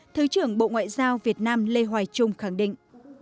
thứ trưởng bộ ngoại giao việt nam lê hoài trung khẳng định